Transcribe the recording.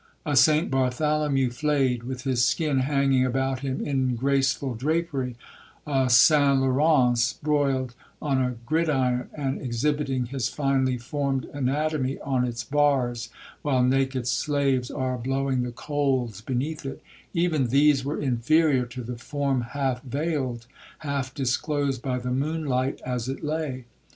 A St Bartholomew flayed, with his skin hanging about him in graceful drapery—a St Laurence, broiled on a gridiron, and exhibiting his finely formed anatomy on its bars, while naked slaves are blowing the coals beneath it,—even these were inferior to the form half veiled,—half disclosed by the moon light as it lay.